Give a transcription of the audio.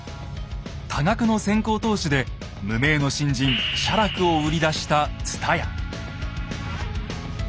多額の先行投資で無名の新人・写楽を売り出した蔦屋。